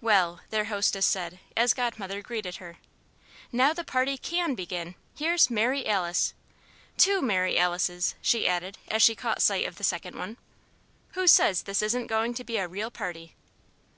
"Well," their hostess said as Godmother greeted her, "now the party can begin here's Mary Alice! Two Mary Alices!" she added as she caught sight of the second one. "Who says this isn't going to be a real party?"